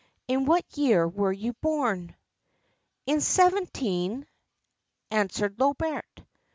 In what year were you born?" "In 17—," answered Lobert.